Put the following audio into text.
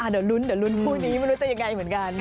เดี๋ยวลุ้นพวกนี้มารู้จักยังไงเหมือนกัน